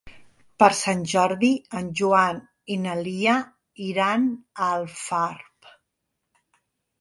Per Sant Jordi en Joan i na Lia iran a Alfarb.